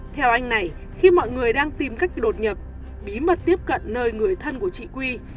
theo anh này khi mọi người đang tìm cách đột nhập bí mật tiếp cận nơi người thân của chị quy